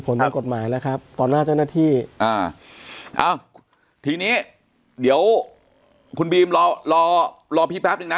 ผลต้องกฎหมายแล้วครับตอนหน้าเจ้าหน้าที่ทีนี้เดี๋ยวคุณบีมรอพี่แป๊บนึงนะ